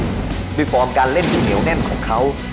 คือฟอร์มการเล่นที่เหนียวแน่นของเขา